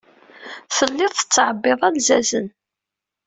Telliḍ tettɛebbiḍ alzazen.